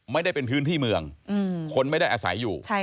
ไม่ได้เป็นพื้นที่เมืองคนไม่ได้อาศัยอยู่